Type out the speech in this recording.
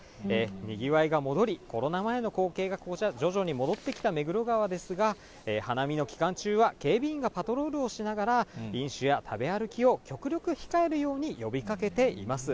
にぎわいが戻り、コロナ前の光景がこちら、徐々に戻ってきた目黒川ですが、花見の期間中は警備員がパトロールをしながら、飲酒や食べ歩きを極力控えるように呼びかけています。